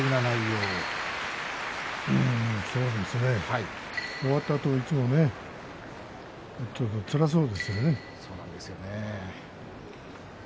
そうですね終わったあといつもつらそうですよね。